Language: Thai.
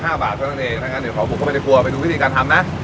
ถ้างั้นเดี๋ยวขอบุกกับเมนูครัวไปดูวิธีการทำนะ